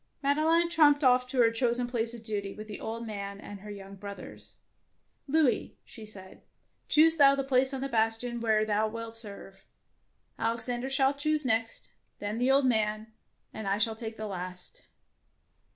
Madelon tramped off to her chosen 114 DEFENCE OF CASTLE DANGEROUS place of duty, with the old man and her young brothers. Louis," she said, " choose thou the place on the bastion where thou wilt serve, Alexander shall choose next, then the old man, and I shall take the last."